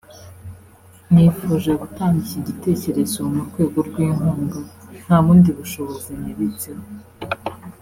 nifuje gutanga iki gitekerezo mu rwego rw’inkunga (nta bundi bushobozi nibitseho